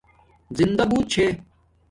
زندݳ بوت چھے